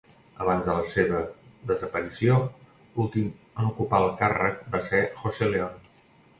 Abans de la seva desaparició, l'últim en ocupar el càrrec va ser José León.